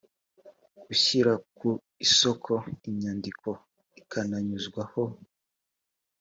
gushyira ku isoko inyandiko akananyuzwaho